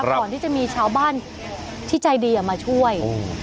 ก่อนที่จะมีชาวบ้านที่ใจดีมาช่วย